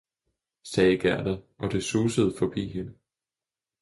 sagde Gerda, og det susede forbi hende.